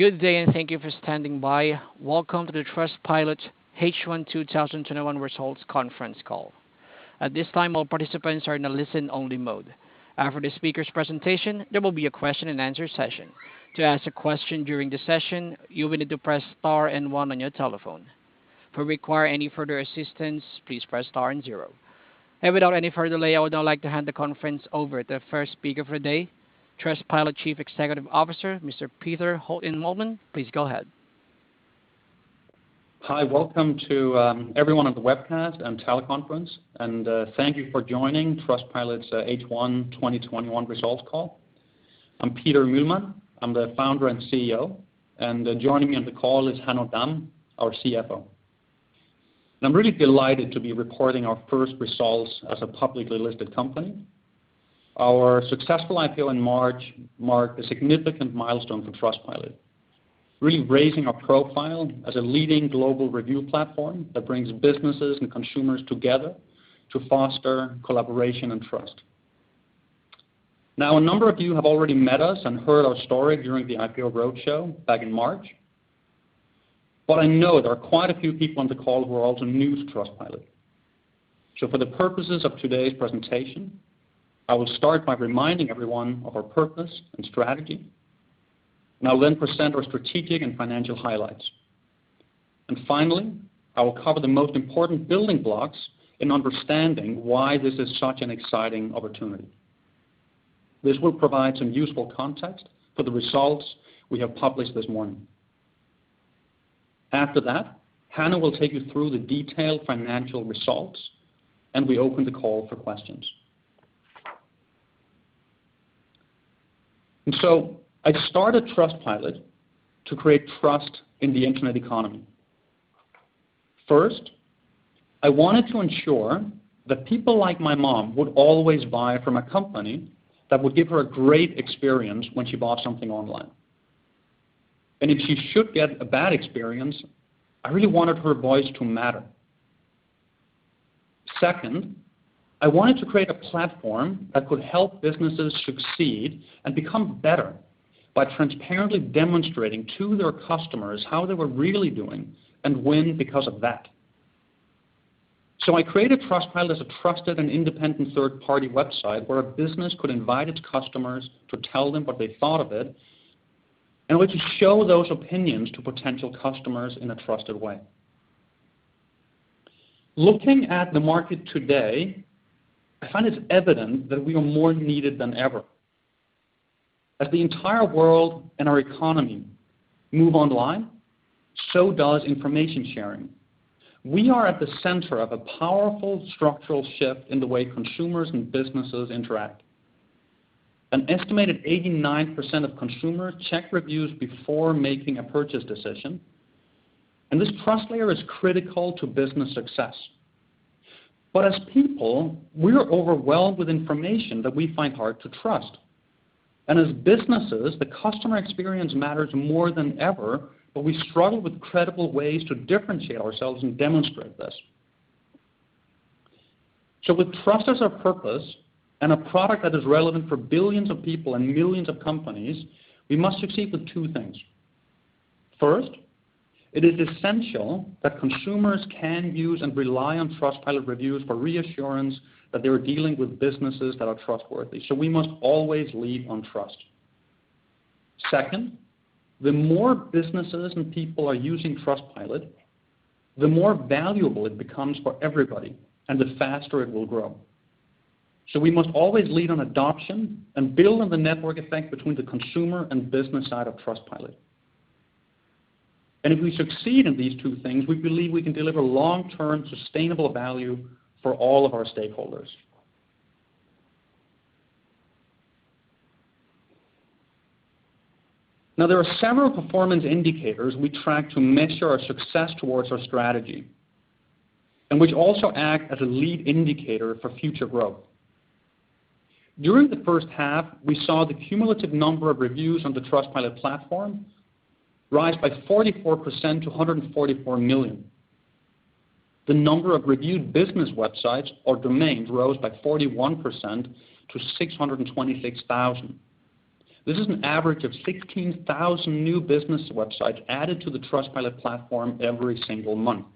Good day, thank you for standing by. Welcome to the Trustpilot H1 2021 Results Conference Call. At this time all participants are in a listen only mode, after the speaker's presentation there will be a question and answer session. To ask a question during the session, you will need to press star and one on your telephone. If you require any further assistance please press star and zero. Without any further delay, I would now like to hand the conference over to the first speaker for the day, Trustpilot Chief Executive Officer, Mr. Peter Holten Mühlmann. Please go ahead. Hi. Welcome to everyone on the webcast and teleconference, and thank you for joining Trustpilot's H1 2021 Results Call. I'm Peter Mühlmann. I'm the founder and CEO, and joining me on the call is Hanno Damm, our CFO. I'm really delighted to be reporting our first results as a publicly listed company. Our successful IPO in March marked a significant milestone for Trustpilot, really raising our profile as a leading global review platform that brings businesses and consumers together to foster collaboration and trust. Now, a number of you have already met us and heard our story during the IPO roadshow back in March. I know there are quite a few people on the call who are also new to Trustpilot. For the purposes of today's presentation, I will start by reminding everyone of our purpose and strategy, and I'll then present our strategic and financial highlights. Finally, I will cover the most important building blocks in understanding why this is such an exciting opportunity. This will provide some useful context for the results we have published this morning. After that, Hanno will take you through the detailed financial results, and we open the call for questions. I started Trustpilot to create trust in the internet economy. First, I wanted to ensure that people like my mom would always buy from a company that would give her a great experience when she bought something online. If she should get a bad experience, I really wanted her voice to matter. Second, I wanted to create a platform that could help businesses succeed and become better by transparently demonstrating to their customers how they were really doing and win because of that. I created Trustpilot as a trusted and independent third-party website where a business could invite its customers to tell them what they thought of it and a way to show those opinions to potential customers in a trusted way. Looking at the market today, I find it's evident that we are more needed than ever. As the entire world and our economy move online, so does information sharing. We are at the center of a powerful structural shift in the way consumers and businesses interact. An estimated 89% of consumers check reviews before making a purchase decision, and this trust layer is critical to business success. As people, we're overwhelmed with information that we find hard to trust, and as businesses, the customer experience matters more than ever, but we struggle with credible ways to differentiate ourselves and demonstrate this. With trust as our purpose and a product that is relevant for billions of people and millions of companies, we must succeed with two things. First, it is essential that consumers can use and rely on Trustpilot reviews for reassurance that they are dealing with businesses that are trustworthy. We must always lead on trust. Second, the more businesses and people are using Trustpilot, the more valuable it becomes for everybody and the faster it will grow. We must always lead on adoption and build on the network effect between the consumer and business side of Trustpilot. If we succeed in these two things, we believe we can deliver long-term sustainable value for all of our stakeholders. There are several performance indicators we track to measure our success towards our strategy, and which also act as a lead indicator for future growth. During the first half, we saw the cumulative number of reviews on the Trustpilot platform rise by 44% to 144 million. The number of reviewed business websites or domains rose by 41% to 626,000. This is an average of 16,000 new business websites added to the Trustpilot platform every single month.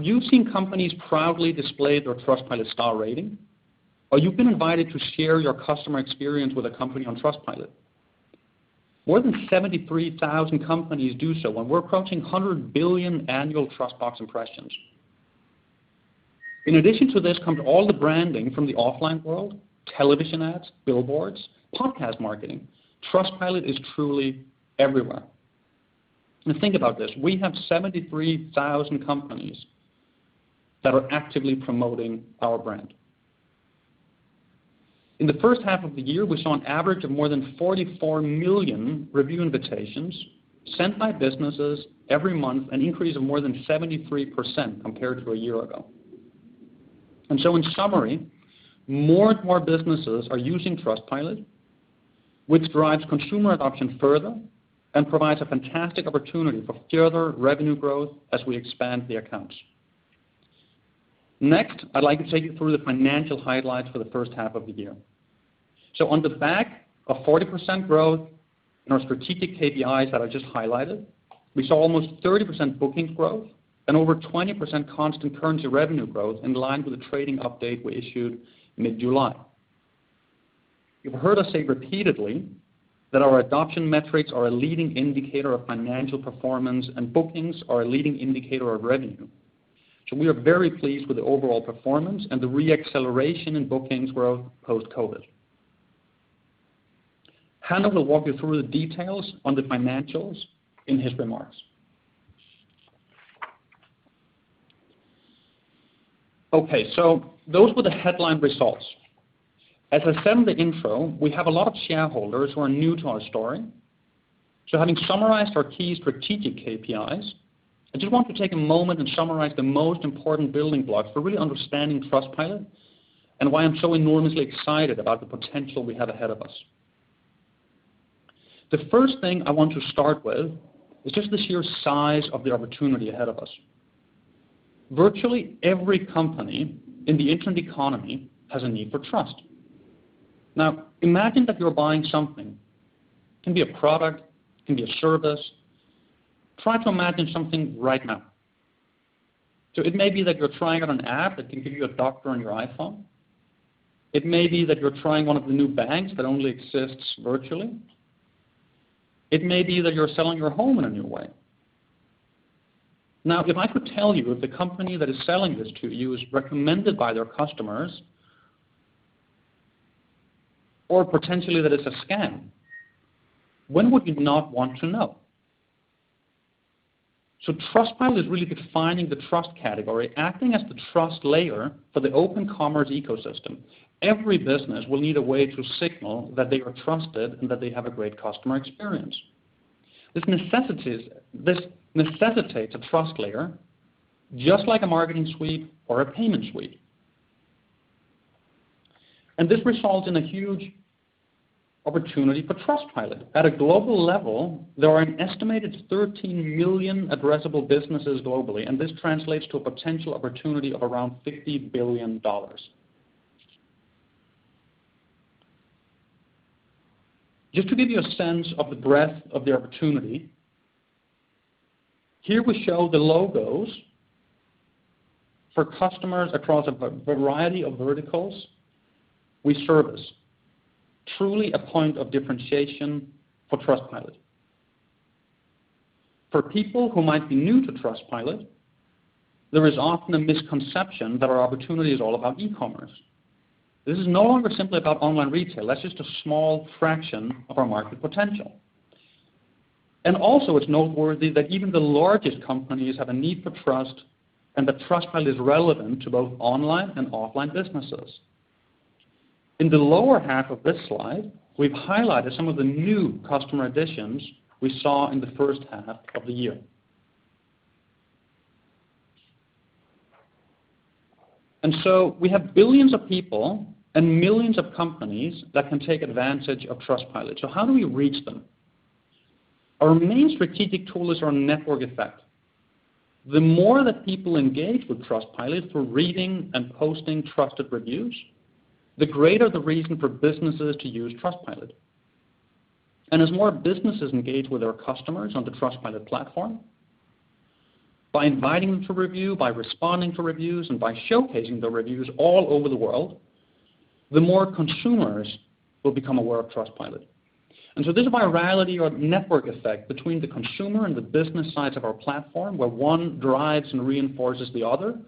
You've seen companies proudly display their Trustpilot star rating, or you've been invited to share your customer experience with a company on Trustpilot. More than 73,000 companies do so, and we're approaching 100 billion annual TrustBox impressions. In addition to this comes all the branding from the offline world, television ads, billboards, podcast marketing. Trustpilot is truly everywhere. Think about this. We have 73,000 companies that are actively promoting our brand. In the first half of the year, we saw an average of more than 44 million review invitations sent by businesses every month, an increase of more than 73% compared to a year ago. In summary, more and more businesses are using Trustpilot, which drives consumer adoption further and provides a fantastic opportunity for further revenue growth as we expand the accounts. Next, I'd like to take you through the financial highlights for the first half of the year. On the back of 40% growth in our strategic KPIs that I just highlighted, we saw almost 30% bookings growth and over 20% constant currency revenue growth in line with the trading update we issued mid-July. You've heard us say repeatedly that our adoption metrics are a leading indicator of financial performance, and bookings are a leading indicator of revenue. We are very pleased with the overall performance and the re-acceleration in bookings growth post-COVID. Hanno will walk you through the details on the financials in his remarks. Okay, those were the headline results. As I said in the intro, we have a lot of shareholders who are new to our story. Having summarized our key strategic KPIs, I just want to take a moment and summarize the most important building blocks for really understanding Trustpilot and why I'm so enormously excited about the potential we have ahead of us. The first thing I want to start with is just the sheer size of the opportunity ahead of us. Virtually every company in the internet economy has a need for trust. Now, imagine that you're buying something. It can be a product, it can be a service. Try to imagine something right now. It may be that you're trying out an app that can give you a doctor on your iPhone. It may be that you're trying one of the new banks that only exists virtually. It may be that you're selling your home in a new way. If I could tell you if the company that is selling this to you is recommended by their customers or potentially that it's a scam, when would you not want to know? Trustpilot is really defining the trust category, acting as the trust layer for the open commerce ecosystem. Every business will need a way to signal that they are trusted and that they have a great customer experience. This necessitates a trust layer just like a marketing suite or a payment suite. This results in a huge opportunity for Trustpilot. At a global level, there are an estimated 13 million addressable businesses globally, and this translates to a potential opportunity of around $50 billion. Just to give you a sense of the breadth of the opportunity, here we show the logos for customers across a variety of verticals we service. Truly a point of differentiation for Trustpilot. For people who might be new to Trustpilot, there is often a misconception that our opportunity is all about e-commerce. This is no longer simply about online retail. That's just a small fraction of our market potential. Also it's noteworthy that even the largest companies have a need for trust, and that Trustpilot is relevant to both online and offline businesses. In the lower half of this slide, we've highlighted some of the new customer additions we saw in the first half of the year. We have billions of people and millions of companies that can take advantage of Trustpilot. How do we reach them? Our main strategic tool is our network effect. The more that people engage with Trustpilot through reading and posting trusted reviews, the greater the reason for businesses to use Trustpilot. As more businesses engage with our customers on the Trustpilot platform by inviting them to review, by responding to reviews, and by showcasing the reviews all over the world, the more consumers will become aware of Trustpilot. This virality or network effect between the consumer and the business sides of our platform, where one drives and reinforces the other,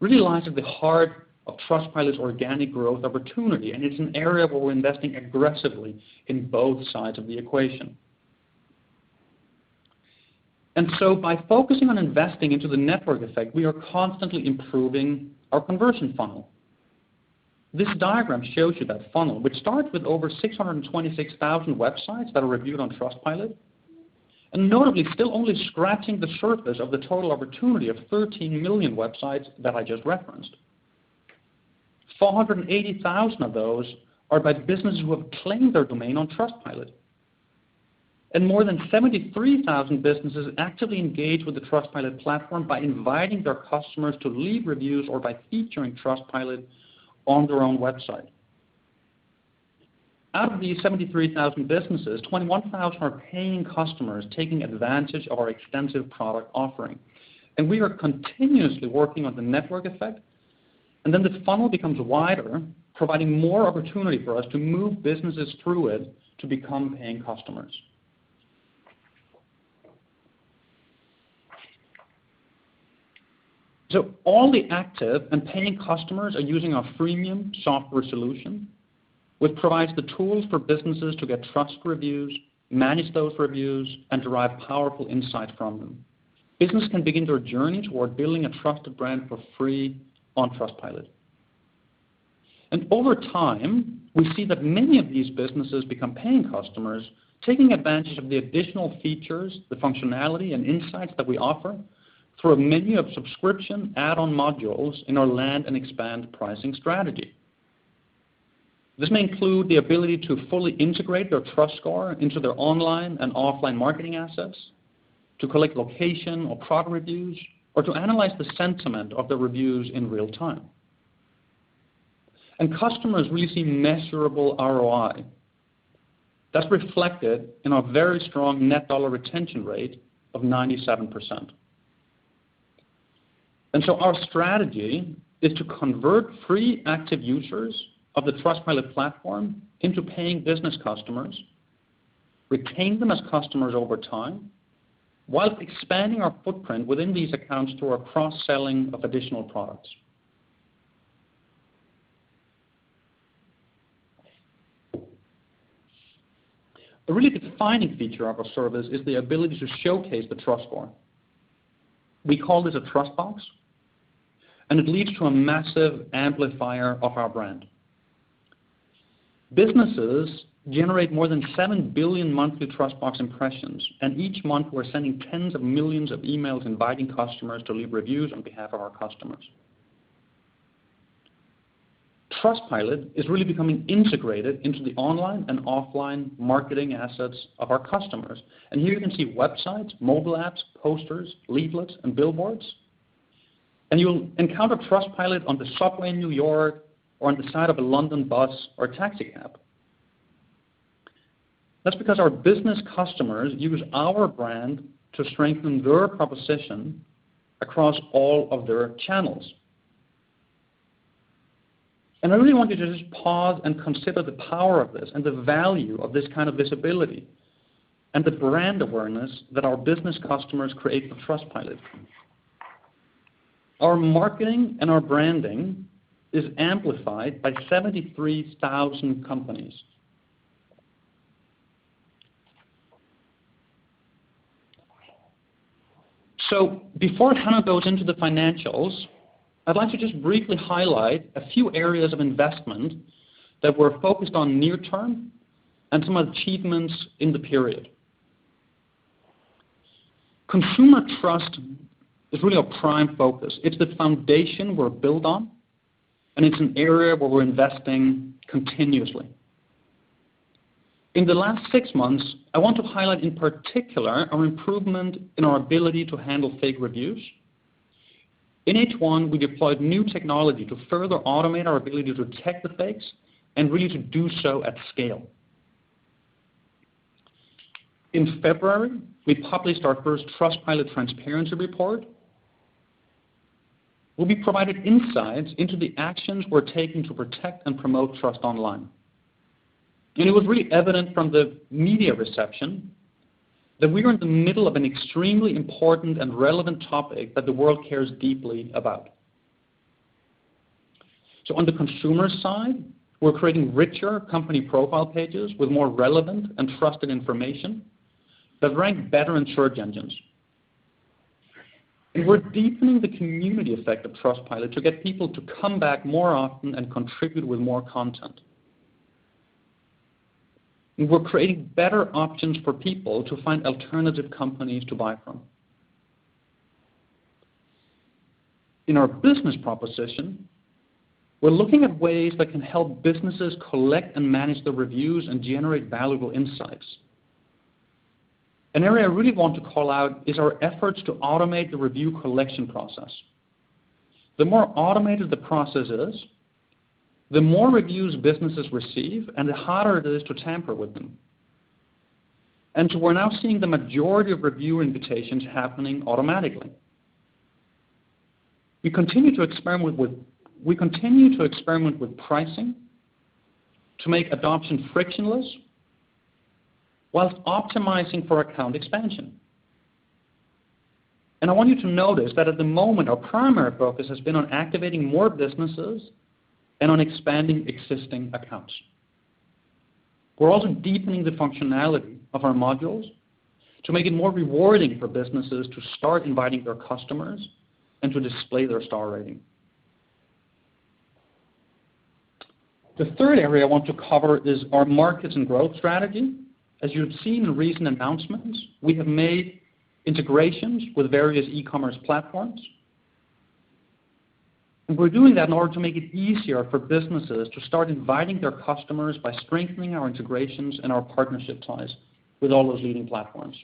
really lies at the heart of Trustpilot's organic growth opportunity, and it's an area where we're investing aggressively in both sides of the equation. By focusing on investing into the network effect, we are constantly improving our conversion funnel. This diagram shows you that funnel, which starts with over 626,000 websites that are reviewed on Trustpilot, and notably still only scratching the surface of the total opportunity of 13 million websites that I just referenced. 480,000 of those are by businesses who have claimed their domain on Trustpilot, and more than 73,000 businesses actively engage with the Trustpilot platform by inviting their customers to leave reviews or by featuring Trustpilot on their own website. Out of these 73,000 businesses, 21,000 are paying customers taking advantage of our extensive product offering. We are continuously working on the network effect, and then this funnel becomes wider, providing more opportunity for us to move businesses through it to become paying customers. All the active and paying customers are using our freemium software solution, which provides the tools for businesses to get trust reviews, manage those reviews, and derive powerful insight from them. Business can begin their journey toward building a trusted brand for free on Trustpilot. Over time, we see that many of these businesses become paying customers, taking advantage of the additional features, the functionality, and insights that we offer through a menu of subscription add-on modules in our land and expand pricing strategy. This may include the ability to fully integrate their TrustScore into their online and offline marketing assets, to collect location or product reviews, or to analyze the sentiment of the reviews in real time. Customers really see measurable ROI. That's reflected in our very strong net dollar retention rate of 97%. Our strategy is to convert free active users of the Trustpilot platform into paying business customers, retain them as customers over time, while expanding our footprint within these accounts through our cross-selling of additional products. A really defining feature of our service is the ability to showcase the TrustScore. We call this a TrustBox, and it leads to a massive amplifier of our brand. Businesses generate more than 7 billion monthly TrustBox impressions, and each month we're sending tens of millions of emails inviting customers to leave reviews on behalf of our customers. Trustpilot is really becoming integrated into the online and offline marketing assets of our customers. Here you can see websites, mobile apps, posters, leaflets, and billboards. You'll encounter Trustpilot on the subway in New York. or on the side of a London bus or taxi cab. That's because our business customers use our brand to strengthen their proposition across all of their channels. I really want you to just pause and consider the power of this and the value of this kind of visibility, and the brand awareness that our business customers create for Trustpilot. Our marketing and our branding is amplified by 73,000 companies. Before Hanno goes into the financials, I'd like to just briefly highlight a few areas of investment that we're focused on near term and some achievements in the period. Consumer trust is really our prime focus. It's the foundation we're built on, and it's an area where we're investing continuously. In the last six months, I want to highlight, in particular, our improvement in our ability to handle fake reviews. In H1, we deployed new technology to further automate our ability to detect the fakes and really to do so at scale. In February, we published our first Trustpilot transparency report, where we provided insights into the actions we're taking to protect and promote trust online. It was really evident from the media reception that we are in the middle of an extremely important and relevant topic that the world cares deeply about. On the consumer side, we're creating richer company profile pages with more relevant and trusted information that rank better in search engines. We're deepening the community effect of Trustpilot to get people to come back more often and contribute with more content. We're creating better options for people to find alternative companies to buy from. In our business proposition, we're looking at ways that can help businesses collect and manage their reviews and generate valuable insights. An area I really want to call out is our efforts to automate the review collection process. The more automated the process is, the more reviews businesses receive, and the harder it is to tamper with them. We're now seeing the majority of review invitations happening automatically. We continue to experiment with pricing to make adoption frictionless whilst optimizing for account expansion. I want you to notice that at the moment, our primary focus has been on activating more businesses and on expanding existing accounts. We're also deepening the functionality of our modules to make it more rewarding for businesses to start inviting their customers and to display their star rating. The third area I want to cover is our markets and growth strategy. As you have seen in recent announcements, we have made integrations with various e-commerce platforms. We're doing that in order to make it easier for businesses to start inviting their customers by strengthening our integrations and our partnership ties with all those leading platforms.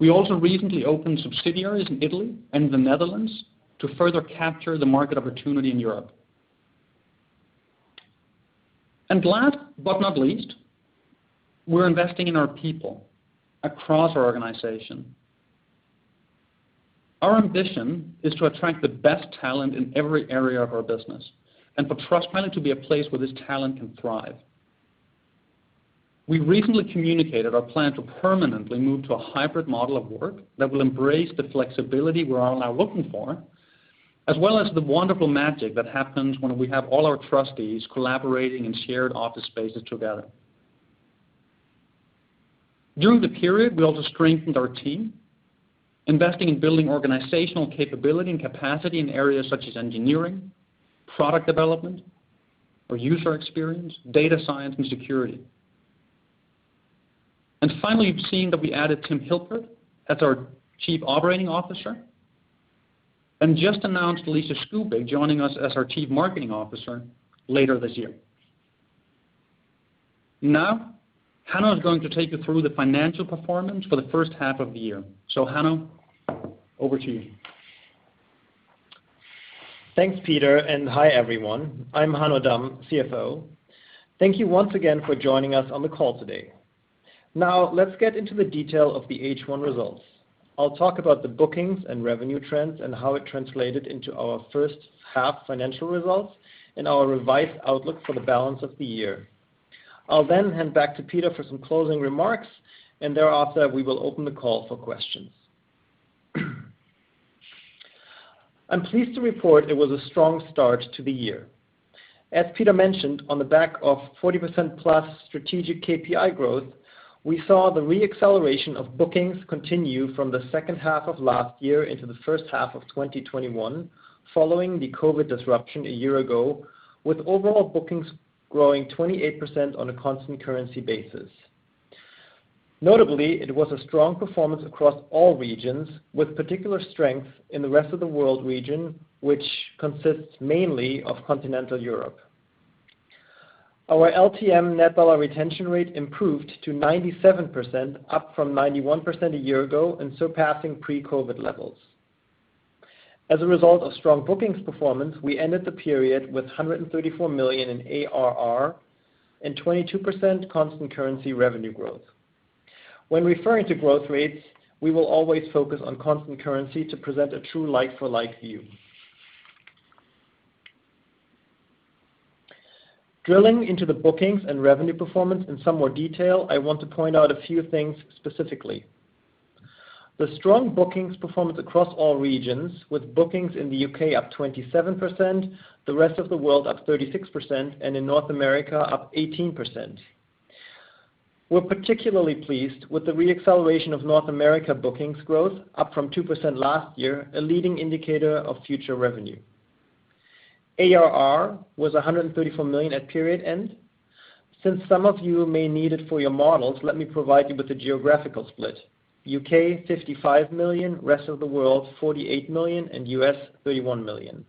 We also recently opened subsidiaries in Italy and the Netherlands to further capture the market opportunity in Europe. Last but not least, we're investing in our people across our organization. Our ambition is to attract the best talent in every area of our business and for Trustpilot to be a place where this talent can thrive. We recently communicated our plan to permanently move to a hybrid model of work that will embrace the flexibility we're all now looking for, as well as the wonderful magic that happens when we have all our Trusties collaborating in shared office spaces together. During the period, we also strengthened our team, investing in building organizational capability and capacity in areas such as engineering, product development, our user experience, data science, and security. Finally, you've seen that we added Tim Hilpert as our Chief Operating Officer, and just announced Alicia Skubick joining us as our Chief Marketing Officer later this year. Hanno is going to take you through the financial performance for the first half of the year. Hanno, over to you. Thanks, Peter. Hi, everyone. I'm Hanno Damm, CFO. Thank you once again for joining us on the call today. Let's get into the detail of the H1 results. I'll talk about the bookings and revenue trends and how it translated into our first half financial results and our revised outlook for the balance of the year. I'll hand back to Peter for some closing remarks. Thereafter, we will open the call for questions. I'm pleased to report it was a strong start to the year. As Peter mentioned, on the back of 40%+ strategic KPI growth, we saw the re-acceleration of bookings continue from the second half of last year into the first half 2021, following the COVID disruption a year ago, with overall bookings growing 28% on a constant currency basis. Notably, it was a strong performance across all regions, with particular strength in the rest of the world region, which consists mainly of continental Europe. Our LTM net dollar retention rate improved to 97%, up from 91% a year ago, and surpassing pre-COVID-19 levels. As a result of strong bookings performance, we ended the period with 134 million in ARR and 22% constant currency revenue growth. When referring to growth rates, we will always focus on constant currency to present a true like-for-like view. Drilling into the bookings and revenue performance in some more detail, I want to point out a few things specifically. The strong bookings performance across all regions, with bookings in the U.K. up 27%, the rest of the world up 36%, and in North America up 18%. We're particularly pleased with the re-acceleration of North America bookings growth up from 2% last year, a leading indicator of future revenue. ARR was 134 million at period end. Since some of you may need it for your models, let me provide you with the geographical split. U.K., 55 million, rest of the world, 48 million, and U.S., 31 million.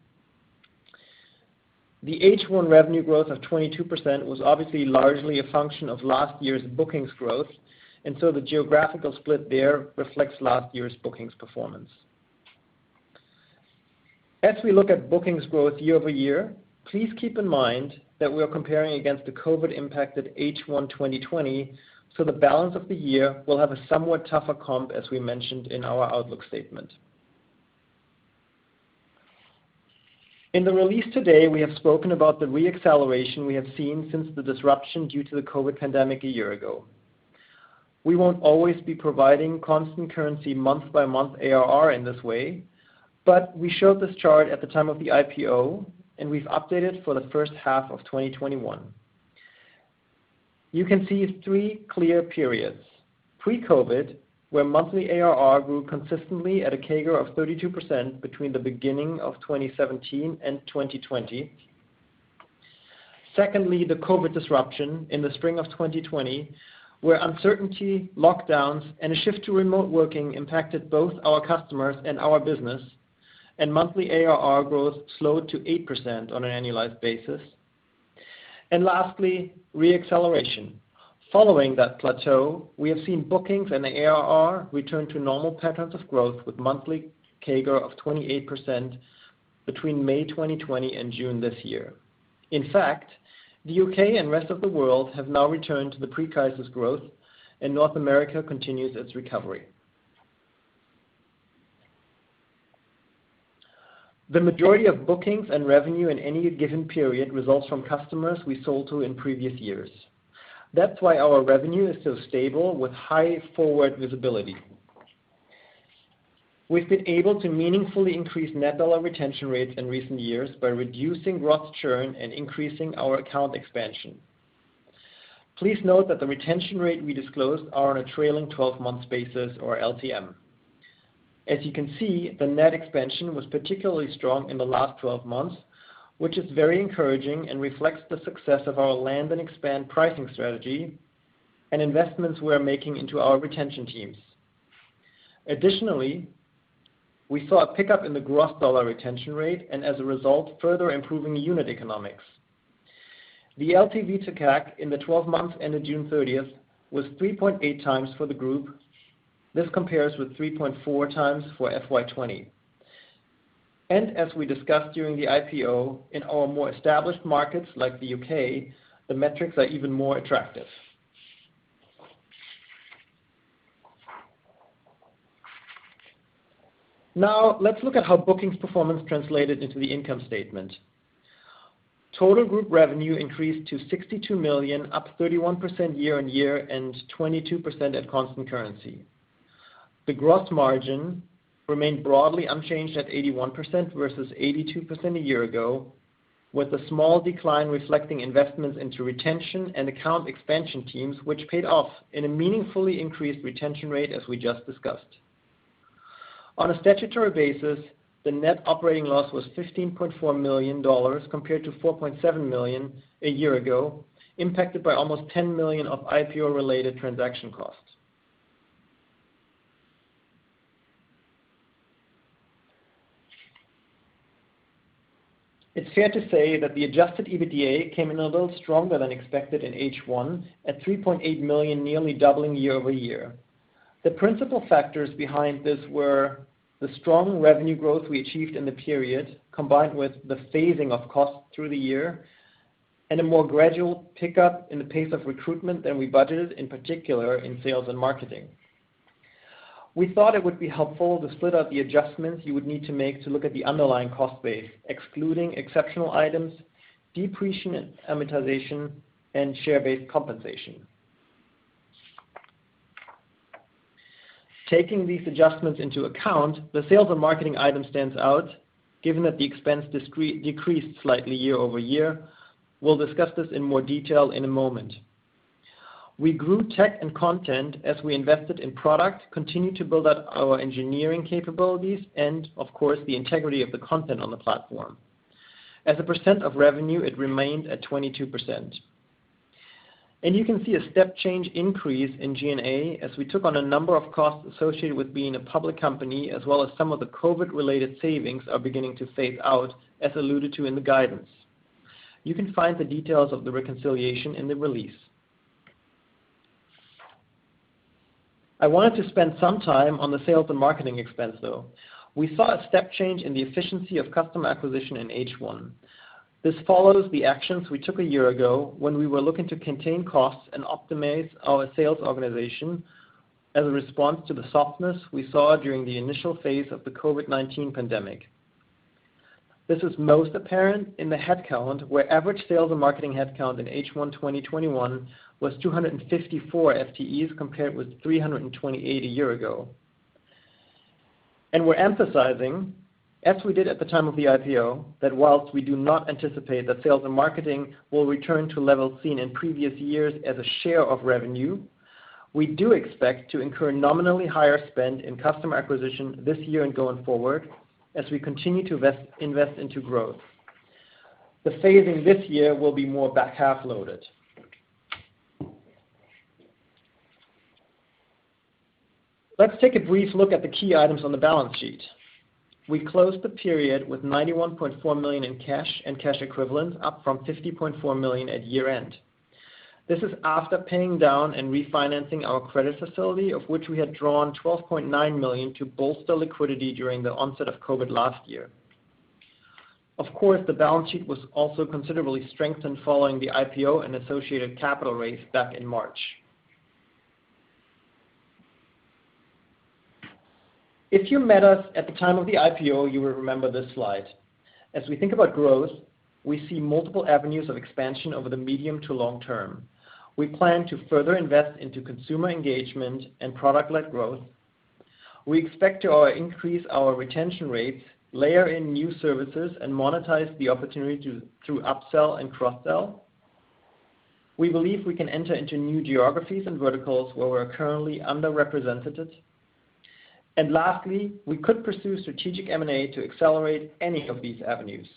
The H1 revenue growth of 22% was obviously largely a function of last year's bookings growth, and so the geographical split there reflects last year's bookings performance. As we look at bookings growth year-over-year, please keep in mind that we're comparing against the COVID-impacted H1 2020, so the balance of the year will have a somewhat tougher comp as we mentioned in our outlook statement. In the release today, we have spoken about the re-acceleration we have seen since the disruption due to the COVID-19 pandemic a year ago. We won't always be providing constant currency month-by-month ARR in this way, but we showed this chart at the time of the IPO, and we've updated for the first half of 2021. You can see three clear periods: pre-COVID-19, where monthly ARR grew consistently at a CAGR of 32% between the beginning of 2017 and 2020. Secondly, the COVID-19 disruption in the spring of 2020, where uncertainty, lockdowns, and a shift to remote working impacted both our customers and our business, and monthly ARR growth slowed to 8% on an annualized basis. Lastly, re-acceleration. Following that plateau, we have seen bookings and the ARR return to normal patterns of growth with monthly CAGR of 28% between May 2020 and June this year. In fact, the U.K. and rest of the world have now returned to the pre-crisis growth, and North America continues its recovery. The majority of bookings and revenue in any given period results from customers we sold to in previous years. That's why our revenue is so stable with high forward visibility. We've been able to meaningfully increase net dollar retention rates in recent years by reducing gross churn and increasing our account expansion. Please note that the retention rate we disclosed are on a trailing 12 months basis or LTM. As you can see, the net expansion was particularly strong in the last 12 months, which is very encouraging and reflects the success of our land and expand pricing strategy and investments we're making into our retention teams. Additionally, we saw a pickup in the gross dollar retention rate, and as a result, further improving unit economics. The LTV to CAC in the 12 months ended June 30th was 3.8x for the group. This compares with 3.4x for FY20. As we discussed during the IPO, in our more established markets like the U.K., the metrics are even more attractive. Now, let's look at how bookings performance translated into the income statement. Total group revenue increased to $62 million, up 31% year-on-year and 22% at constant currency. The gross margin remained broadly unchanged at 81% versus 82% a year ago, with a small decline reflecting investments into retention and account expansion teams, which paid off in a meaningfully increased retention rate, as we just discussed. On a statutory basis, the net operating loss was $15.4 million compared to $4.7 million a year ago, impacted by almost $10 million of IPO-related transaction costs. It's fair to say that the adjusted EBITDA came in a little stronger than expected in H1 at 3.8 million, nearly doubling year-over-year. The principal factors behind this were the strong revenue growth we achieved in the period, combined with the phasing of costs through the year and a more gradual pickup in the pace of recruitment than we budgeted, in particular in sales and marketing. We thought it would be helpful to split out the adjustments you would need to make to look at the underlying cost base, excluding exceptional items, depreciation, amortization, and share-based compensation. Taking these adjustments into account, the sales and marketing item stands out, given that the expense decreased slightly year-over-year. We'll discuss this in more detail in a moment. We grew tech and content as we invested in product, continued to build out our engineering capabilities, and of course, the integrity of the content on the platform. As a percent of revenue, it remained at 22%. You can see a step change increase in G&A as we took on a number of costs associated with being a public company, as well as some of the COVID-related savings are beginning to phase out, as alluded to in the guidance. You can find the details of the reconciliation in the release. I wanted to spend some time on the sales and marketing expense, though. We saw a step change in the efficiency of customer acquisition in H1. This follows the actions we took a year ago when we were looking to contain costs and optimize our sales organization as a response to the softness we saw during the initial phase of the COVID-19 pandemic. This was most apparent in the headcount, where average sales and marketing headcount in H1 2021 was 254 FTEs compared with 328 a year ago. We're emphasizing, as we did at the time of the IPO, that while we do not anticipate that sales and marketing will return to levels seen in previous years as a share of revenue, we do expect to incur nominally higher spend in customer acquisition this year and going forward as we continue to invest into growth. The phasing this year will be more back-half loaded. Let's take a brief look at the key items on the balance sheet. We closed the period with 91.4 million in cash and cash equivalents, up from 50.4 million at year-end. This is after paying down and refinancing our credit facility, of which we had drawn 12.9 million to bolster liquidity during the onset of COVID-19 last year. Of course, the balance sheet was also considerably strengthened following the IPO and associated capital raise back in March. If you met us at the time of the IPO, you will remember this slide. As we think about growth, we see multiple avenues of expansion over the medium to long term. We plan to further invest into consumer engagement and product-led growth. We expect to increase our retention rates, layer in new services, and monetize the opportunity through upsell and cross-sell. We believe we can enter into new geographies and verticals where we're currently underrepresented. Lastly, we could pursue strategic M&A to accelerate any of these avenues.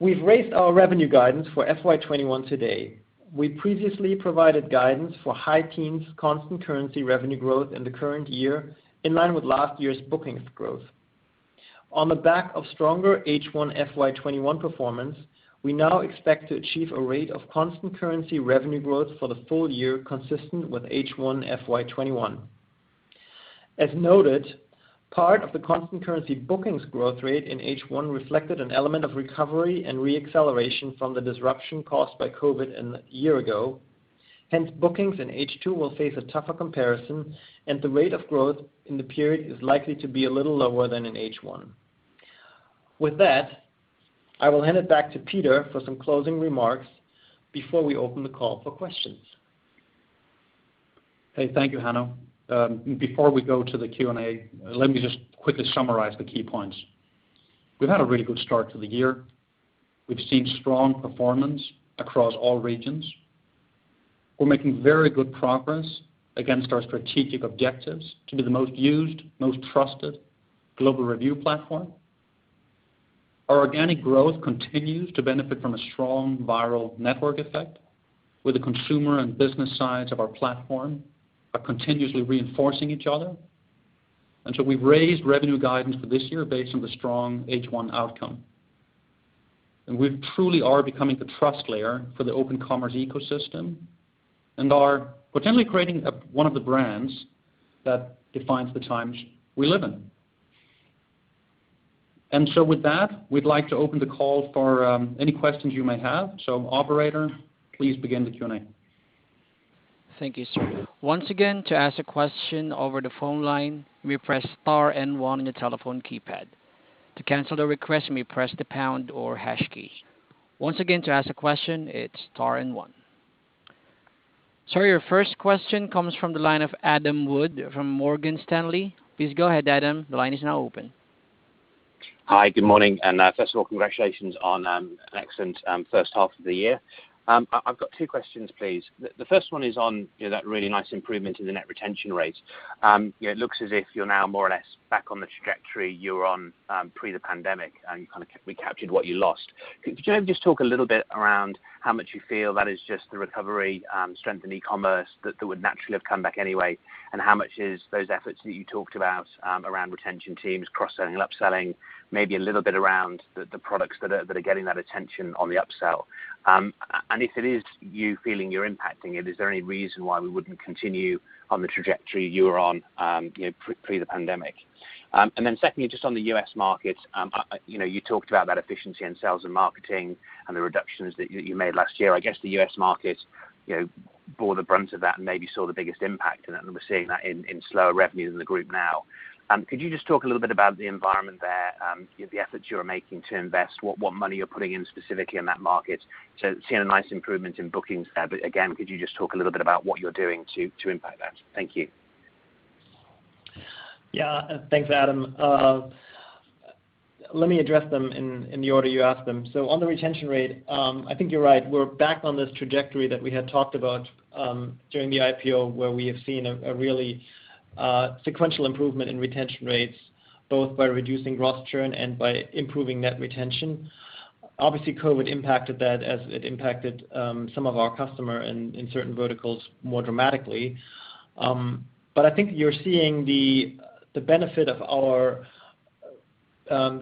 We've raised our revenue guidance for FY 2021 today. We previously provided guidance for high-teens constant currency revenue growth in the current year, in line with last year's bookings growth. On the back of stronger H1 FY 2021 performance, we now expect to achieve a rate of constant currency revenue growth for the full year consistent with H1 FY 2021. As noted, part of the constant currency bookings growth rate in H1 reflected an element of recovery and re-acceleration from the disruption caused by COVID-19 a year ago. Bookings in H2 will face a tougher comparison, and the rate of growth in the period is likely to be a little lower than in H1. With that, I will hand it back to Peter for some closing remarks before we open the call for questions. Hey, thank you, Hanno. Before we go to the Q&A, let me just quickly summarize the key points. We've had a really good start to the year. We've seen strong performance across all regions. We're making very good progress against our strategic objectives to be the most used, most trusted global review platform. Our organic growth continues to benefit from a strong viral network effect, where the consumer and business sides of our platform are continuously reinforcing each other. We've raised revenue guidance for this year based on the strong H1 outcome. We truly are becoming the trust layer for the open commerce ecosystem and are potentially creating one of the brands that defines the times we live in. With that, we'd like to open the call for any questions you may have. Operator, please begin the Q&A. Thank you, sir. Once again to ask a question over the phone line press star and one on your telephone keypad. To cancel request press the pound or hash key. Once again to ask a question it's star and one. Sir, your first question comes from the line of Adam Wood from Morgan Stanley. Please go ahead, Adam. The line is now open. Good morning. First of all, congratulations on an excellent first half of the year. I've got two questions, please. The first one is on that really nice improvement in the net retention rates. It looks as if you're now more or less back on the trajectory you were on pre the pandemic, and you kind of recaptured what you lost. Could you maybe just talk a little bit around how much you feel that is just the recovery, strength in e-commerce, that would naturally have come back anyway? How much is those efforts that you talked about around retention teams, cross-selling, upselling, maybe a little bit around the products that are getting that attention on the upsell? If it is you feeling you're impacting it, is there any reason why we wouldn't continue on the trajectory you were on pre the pandemic? Secondly, just on the U.S. market. You talked about that efficiency in sales and marketing and the reductions that you made last year. I guess the U.S. market bore the brunt of that and maybe saw the biggest impact, and then we're seeing that in slower revenues in the group now. Could you just talk a little bit about the environment there, the efforts you're making to invest, what money you're putting in specifically in that market? Seeing a nice improvement in bookings there. Again, could you just talk a little bit about what you're doing to impact that? Thank you. Yeah. Thanks, Adam. Let me address them in the order you asked them. On the retention rate, I think you're right. We're back on this trajectory that we had talked about during the IPO, where we have seen a really sequential improvement in retention rates, both by reducing gross churn and by improving net retention. Obviously, COVID impacted that as it impacted some of our customer in certain verticals more dramatically. I think you're seeing the benefit of our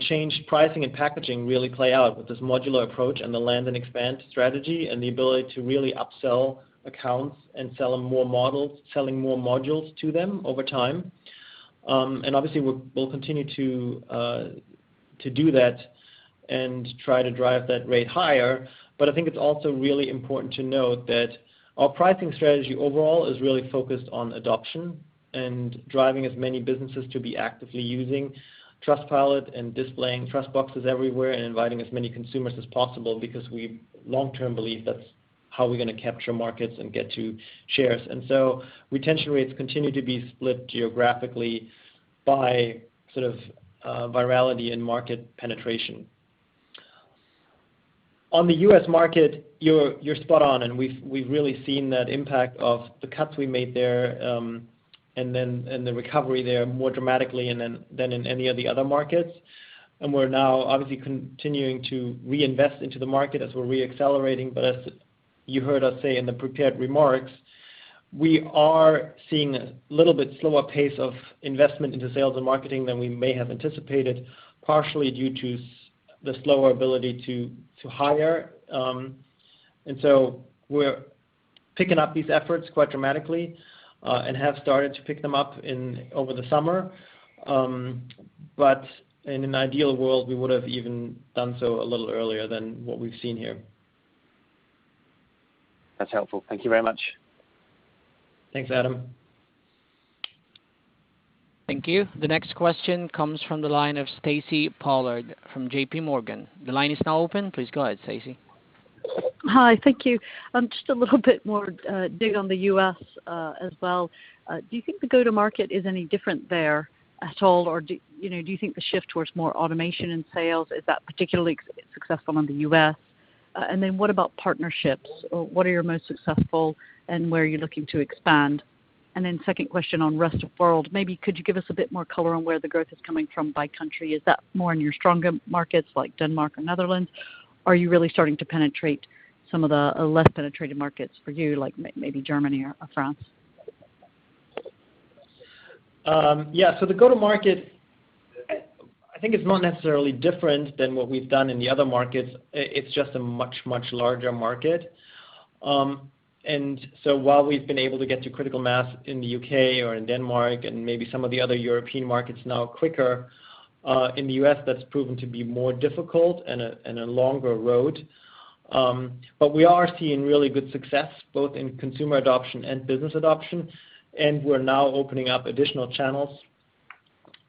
changed pricing and packaging really play out with this modular approach and the land and expand strategy, and the ability to really upsell accounts and selling more modules to them over time. Obviously, we'll continue to do that and try to drive that rate higher. I think it's also really important to note that our pricing strategy overall is really focused on adoption and driving as many businesses to be actively using Trustpilot and displaying TrustBox everywhere and inviting as many consumers as possible, because we long-term believe that's how we're going to capture markets and get to shares. Retention rates continue to be split geographically by sort of virality and market penetration. On the U.S. market, you're spot on. We've really seen that impact of the cuts we made there, and the recovery there more dramatically than in any other markets. We're now obviously continuing to reinvest into the market as we're re-accelerating. As you heard us say in the prepared remarks, we are seeing a little bit slower pace of investment into sales and marketing than we may have anticipated, partially due to the slower ability to hire. We're picking up these efforts quite dramatically, and have started to pick them up over the summer. In an ideal world, we would have even done so a little earlier than what we've seen here. That's helpful. Thank you very much. Thanks, Adam. Thank you. The next question comes from the line of Stacy Pollard from JPMorgan. The line is now open. Please go ahead, Stacy. Hi. Thank you. Just a little bit more dig on the U.S. as well. Do you think the go-to market is any different there at all? Do you think the shift towards more automation in sales, is that particularly successful in the U.S.? What about partnerships? What are your most successful and where are you looking to expand? Second question on rest of world, maybe could you give us a bit more color on where the growth is coming from by country? Is that more in your stronger markets like Denmark or Netherlands? Are you really starting to penetrate some of the less penetrated markets for you, like maybe Germany or France? Yeah. The go-to market, I think it's not necessarily different than what we've done in the other markets. It's just a much, much larger market. While we've been able to get to critical mass in the U.K. or in Denmark and maybe some of the other European markets now quicker, in the U.S. that's proven to be more difficult and a longer road. We are seeing really good success both in consumer adoption and business adoption, and we're now opening up additional channels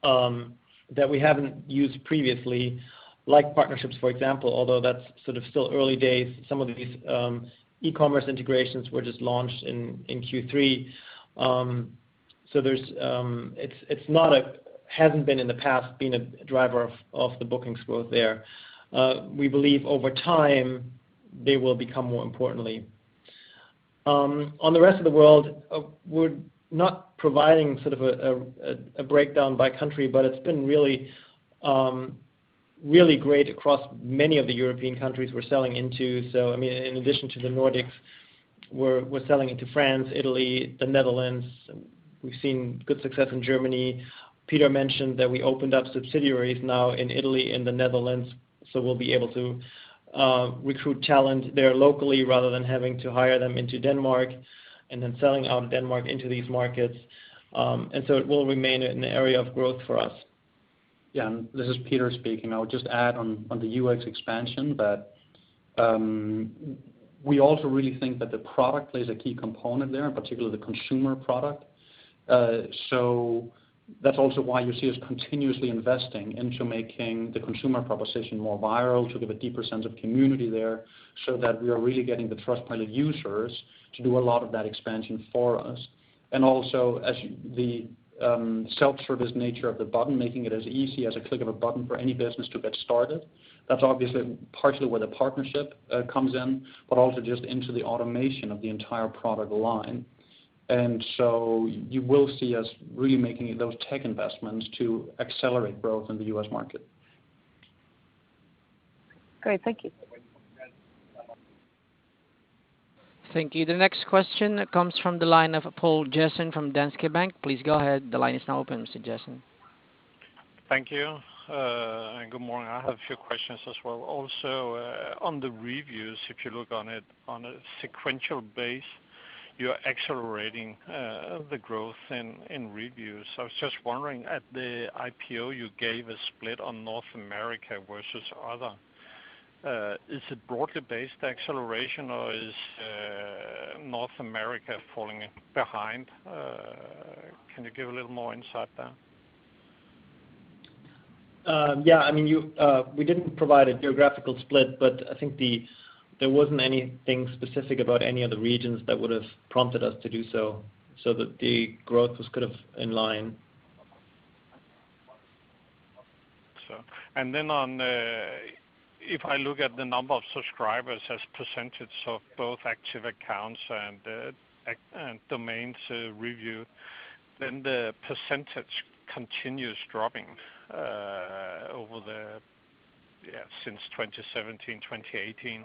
that we haven't used previously, like partnerships, for example, although that's sort of still early days. Some of these e-commerce integrations were just launched in Q3. It hasn't been in the past been a driver of the bookings growth there. We believe over time they will become more importantly. On the rest of the world, we're not providing sort of a breakdown by country, but it's been really great across many of the European countries we're selling into. In addition to the Nordics, we're selling into France, Italy, the Netherlands. We've seen good success in Germany. Peter mentioned that we opened up subsidiaries now in Italy and the Netherlands, so we'll be able to recruit talent there locally rather than having to hire them into Denmark and then selling out of Denmark into these markets. It will remain an area of growth for us. Yeah. This is Peter speaking. I would just add on the U.S. expansion that we also really think that the product plays a key component there, in particular the consumer product. That's also why you see us continuously investing into making the consumer proposition more viral to give a deeper sense of community there so that we are really getting the Trustpilot users to do a lot of that expansion for us. Also as the self-service nature of the button, making it as easy as a click of a button for any business to get started. That's obviously partially where the partnership comes in, but also just into the automation of the entire product line. You will see us really making those tech investments to accelerate growth in the U.S. market. Great. Thank you. Thank you. The next question comes from the line of Poul Jessen from Danske Bank. Please go ahead. The line is now open, Mr. Jessen. Thank you. Good morning. I have a few questions as well. On the reviews, if you look on it on a sequential basis, you're accelerating the growth in reviews. I was just wondering, at the IPO, you gave a split on North America versus other. Is it broadly based acceleration or is North America falling behind? Can you give a little more insight there? Yeah. We didn't provide a geographical split, but I think there wasn't anything specific about any of the regions that would've prompted us to do so that the growth was in line. If I look at the number of subscribers as percentage of both active accounts and domains review, the percentage continues dropping since 2017, 2018.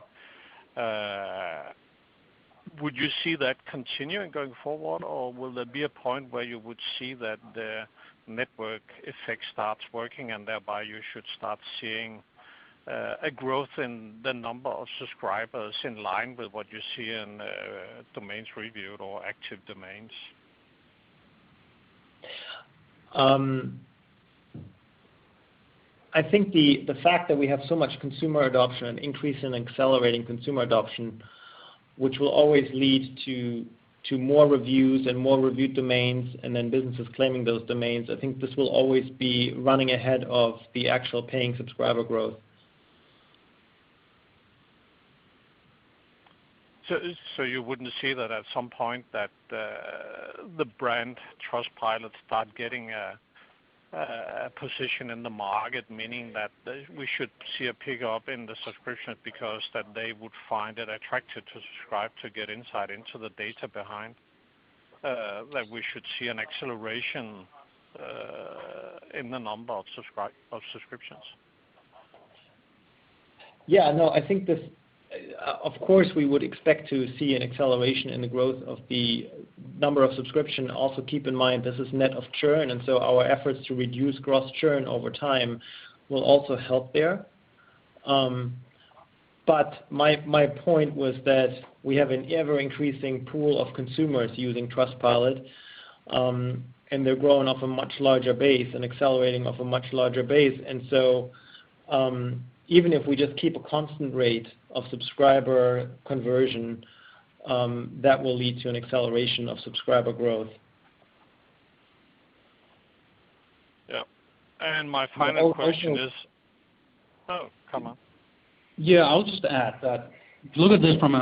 Would you see that continuing going forward? Will there be a point where you would see that the network effect starts working, and thereby you should start seeing a growth in the number of subscribers in line with what you see in domains reviewed or active domains? I think the fact that we have so much consumer adoption, an increase in accelerating consumer adoption, which will always lead to more reviews and more reviewed domains and then businesses claiming those domains, I think this will always be running ahead of the actual paying subscriber growth. You wouldn't see that at some point that the brand Trustpilot start getting a position in the market, meaning that we should see a pick-up in the subscriptions because that they would find it attractive to subscribe to get insight into the data behind, that we should see an acceleration in the number of subscriptions? We would expect to see an acceleration in the growth of the number of subscription. Keep in mind, this is net of churn, our efforts to reduce gross churn over time will also help there. My point was that we have an ever-increasing pool of consumers using Trustpilot, they're growing off a much larger base and accelerating off a much larger base. Even if we just keep a constant rate of subscriber conversion, that will lead to an acceleration of subscriber growth. Yeah. Oh, come on. I'll just add that, look at this from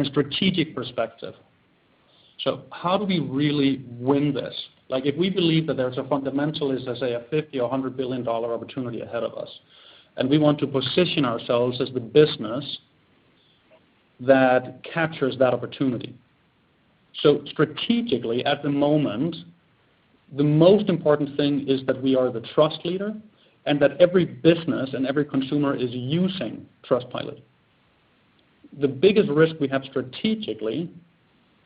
a strategic perspective. How do we really win this? If we believe that there's a fundamental, let's say a $50 or $100 billion opportunity ahead of us, and we want to position ourselves as the business that captures that opportunity. Strategically, at the moment, the most important thing is that we are the trust leader and that every business and every consumer is using Trustpilot. The biggest risk we have strategically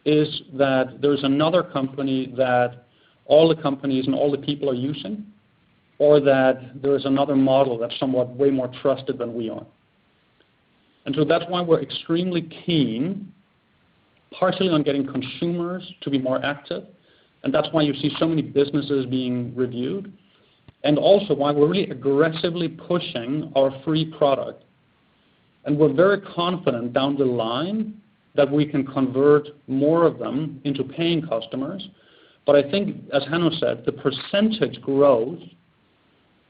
is that there's another company that all the companies and all the people are using, or that there is another model that's somewhat way more trusted than we are. That's why we're extremely keen, partially on getting consumers to be more active, and that's why you see so many businesses being reviewed, and also why we're really aggressively pushing our free product. We're very confident down the line that we can convert more of them into paying customers. I think, as Hanno said, the percentage growth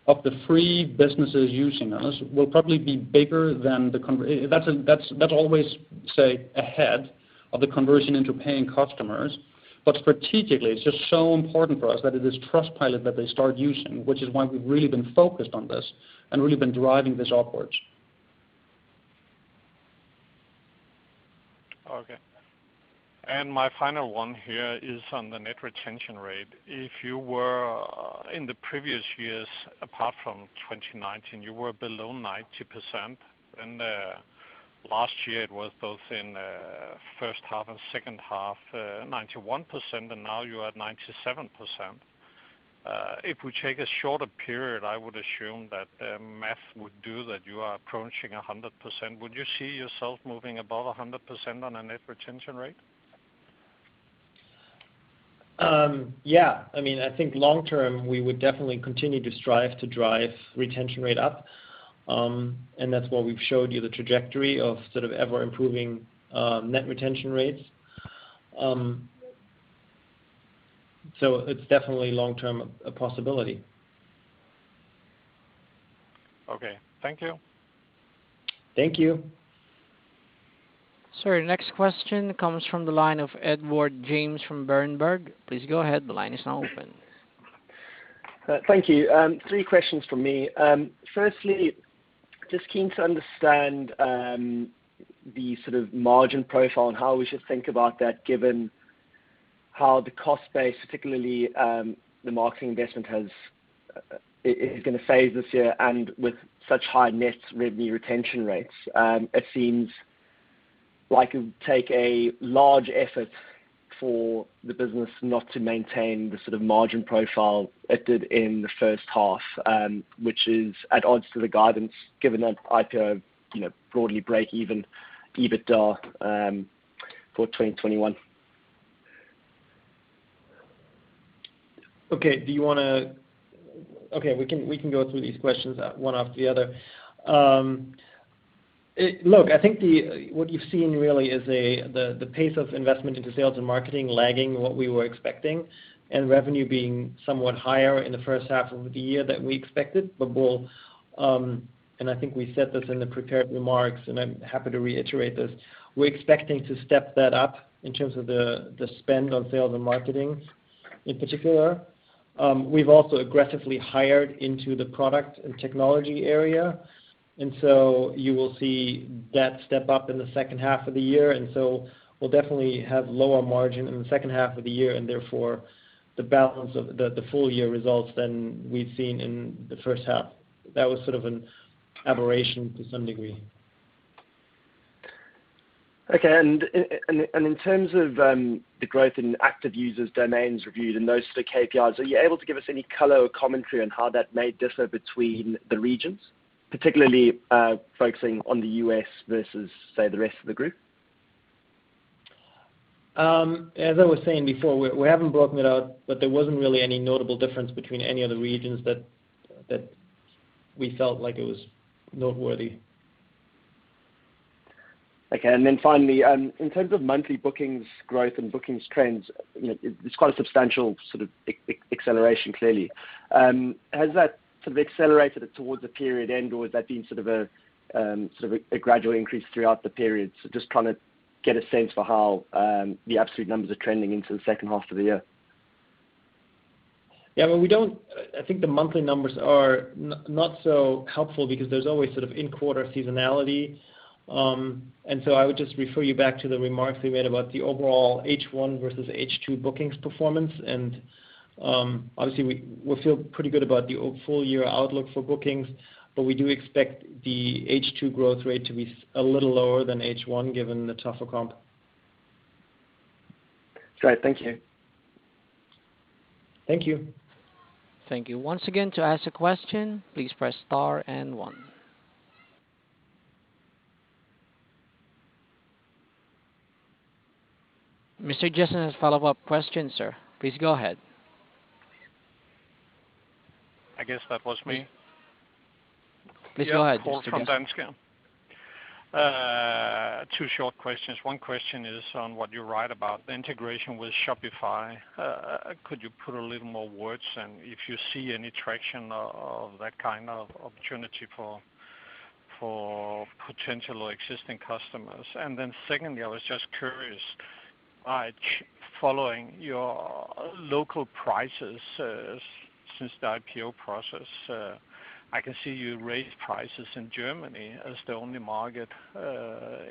of the free businesses using us will probably be bigger than That's always ahead of the conversion into paying customers. Strategically, it's just so important for us that it is Trustpilot that they start using, which is why we've really been focused on this and really been driving this upwards. Okay. My final one here is on the net retention rate. If you were in the previous years, apart from 2019, you were below 90%, and last year it was both in first half and second half, 91%, and now you are at 97%. If we take a shorter period, I would assume that the math would do that you are approaching 100%. Would you see yourself moving above 100% on a net retention rate? Yeah. I think long-term, we would definitely continue to strive to drive retention rate up. That's why we've showed you the trajectory of ever-improving net retention rates. It's definitely long-term, a possibility. Okay. Thank you. Thank you. Sir, your next question comes from the line of Edward James from Berenberg. Please go ahead. The line is now open. Thank you. Three questions from me. Firstly, just keen to understand the sort of margin profile and how we should think about that given how the cost base, particularly the marketing investment, is going to phase this year. With such high net revenue retention rates, it seems like it would take a large effort for the business not to maintain the sort of margin profile it did in the first half, which is at odds to the guidance, given that IPO broadly break even EBITDA for 2021. Okay. We can go through these questions one after the other. Look, I think what you've seen really is the pace of investment into sales and marketing lagging what we were expecting, and revenue being somewhat higher in the first half of the year than we expected. We'll, and I think we said this in the prepared remarks, and I'm happy to reiterate this, we're expecting to step that up in terms of the spend on sales and marketing in particular. We've also aggressively hired into the product and technology area. You will see that step up in the second half of the year. We'll definitely have lower margin in the second half of the year, and therefore the balance of the full year results than we've seen in the first half. That was sort of an aberration to some degree. Okay. In terms of the growth in active users, domains reviewed, and those sort of KPIs, are you able to give us any color or commentary on how that may differ between the regions, particularly focusing on the U.S. versus, say, the rest of the group? As I was saying before, we haven't broken it out, but there wasn't really any notable difference between any of the regions that we felt like it was noteworthy. Okay. Finally, in terms of monthly bookings growth and bookings trends, it is quite a substantial sort of acceleration clearly. Has that sort of accelerated towards the period end or has that been sort of a gradual increase throughout the period? Just trying to get a sense for how the absolute numbers are trending into the second half of the year. Yeah. I think the monthly numbers are not so helpful because there's always sort of in-quarter seasonality. I would just refer you back to the remarks we made about the overall H1 versus H2 bookings performance. Obviously we feel pretty good about the full-year outlook for bookings, but we do expect the H2 growth rate to be a little lower than H1 given the tougher comp. Great. Thank you. Thank you. Thank you. Once again, to ask a question, please press star and one. Mr. Poul Jessen has a follow-up question, sir. Please go ahead. I guess that was me. Please go ahead, Mr. Jessen. Two short questions. 1 question is on what you write about the integration with Shopify. Could you put a little more words in if you see any traction of that kind of opportunity for potential or existing customers? Secondly, I was just curious, following your local prices since the IPO process, I can see you raised prices in Germany as the only market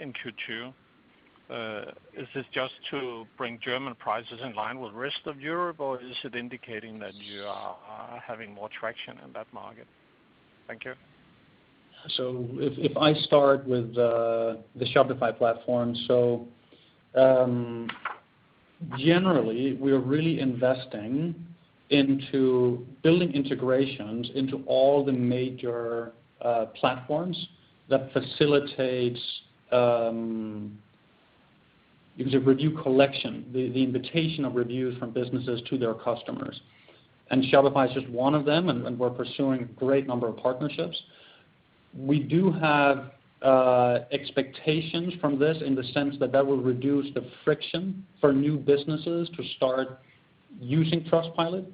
in Q2. Is this just to bring German prices in line with rest of Europe, or is it indicating that you are having more traction in that market? Thank you. If I start with the Shopify platform. Generally we are really investing into building integrations into all the major platforms that facilitates review collection, the invitation of reviews from businesses to their customers. Shopify is just one of them, and we're pursuing a great number of partnerships. We do have expectations from this in the sense that that will reduce the friction for new businesses to start using Trustpilot,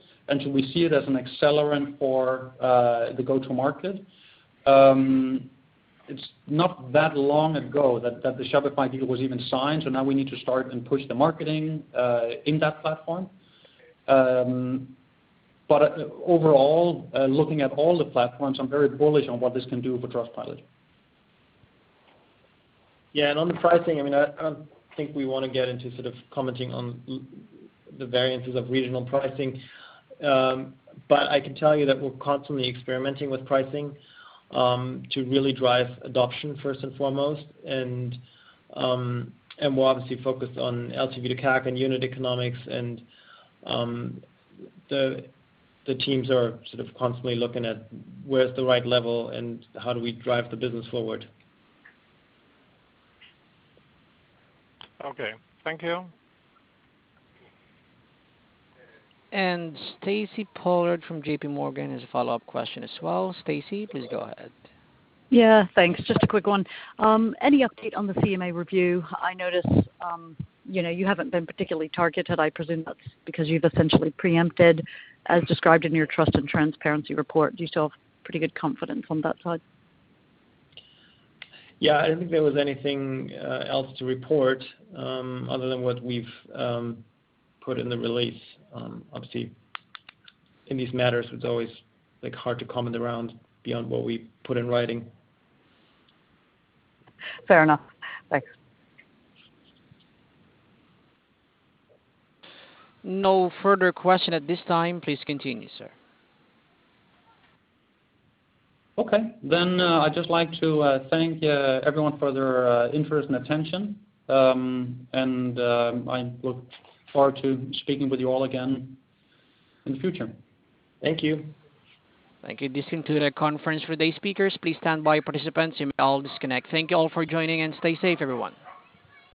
we see it as an accelerant for the go-to-market. It's not that long ago that the Shopify deal was even signed, now we need to start and push the marketing in that platform. Overall, looking at all the platforms, I'm very bullish on what this can do for Trustpilot. Yeah, on the pricing, I don't think we want to get into sort of commenting on the variances of regional pricing. I can tell you that we're constantly experimenting with pricing to really drive adoption first and foremost. We're obviously focused on LTV to CAC and unit economics, and the teams are sort of constantly looking at where's the right level and how do we drive the business forward. Okay. Thank you. Stacy Pollard from JP Morgan has a follow-up question as well. Stacy, please go ahead. Yeah. Thanks. Just a quick one. Any update on the CMA review? I noticed you haven't been particularly targeted. I presume that's because you've essentially preempted as described in your trust and transparency report. Do you still have pretty good confidence on that side? Yeah. I don't think there was anything else to report other than what we've put in the release. Obviously in these matters it's always hard to comment around beyond what we put in writing. Fair enough. Thanks. No further question at this time. Please continue, sir. Okay. I'd just like to thank everyone for their interest and attention, and I look forward to speaking with you all again in the future. Thank you. Thank you. This concludes the conference for today's speakers. Please stand by, participants. You may all disconnect. Thank you all for joining and stay safe everyone.